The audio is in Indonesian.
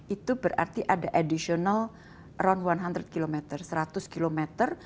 itu berarti ada additional around seratus kilometer